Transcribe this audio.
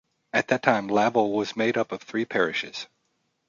At that time Laval was made up of three parishes.